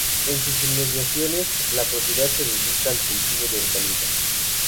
En sus inmediaciones, la propiedad se dedica al cultivo de hortalizas.